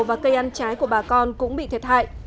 và cây ăn trái của bà con cũng bị thiệt hại